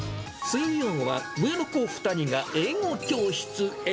水曜は上の子２人が英語教室へ。